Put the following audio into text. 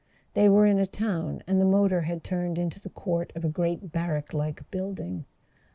They were in a town, and the motor had turned into the court of a great barrack like building.